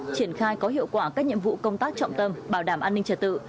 triển khai có hiệu quả các nhiệm vụ công tác trọng tâm bảo đảm an ninh trật tự